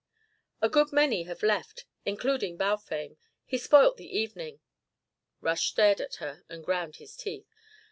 "A good many have left, including Balfame. He spoilt the evening." Rush stared at her and ground his teeth.